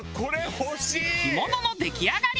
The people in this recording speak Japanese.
干物の出来上がり。